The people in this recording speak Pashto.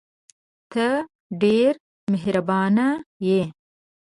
ته ډېره مهربانه یې !